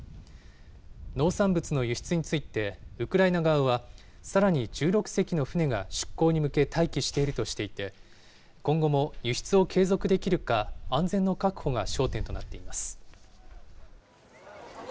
農産物の輸出についてウクライナ側は、さらに１６隻の船が出港に向け待機しているとしていて、今後も輸出を継続できるか安全の確保が焦点となっています。